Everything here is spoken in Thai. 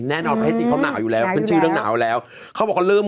ประเทศจีนเขาหนาวอยู่แล้วขึ้นชื่อเรื่องหนาวแล้วเขาบอกว่าเริ่ม